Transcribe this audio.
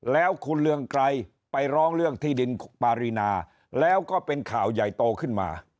แล้วคุณเรืองไกรไปร้องเรื่องที่ดินปารีนาแล้วก็เป็นข่าวใหญ่โตขึ้นมา